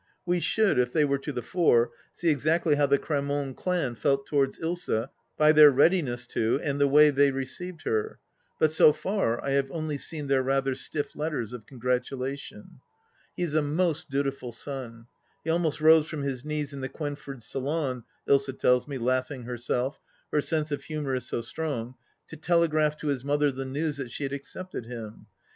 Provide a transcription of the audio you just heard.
We should, if they were to the fore, see exactly how the Cramont clan felt towards Ilsa, by their readiness to and the way they received her, but, so far, I have only seen their rather stiff letters of congratulation. He is a most dutiful son. He almost rose from his knees in the Quenfords' salon, Ilsa tells me, laughing herself — her sense of humour is so strong — to telegraph to his mother the news that she had accepted him.